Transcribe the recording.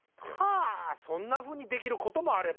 あそんなふうにできることもあれば。